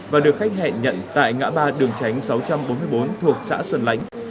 và được khách hẹn nhận tại ngã ba đường tránh sáu trăm bốn mươi bốn thuộc xã xuân lãnh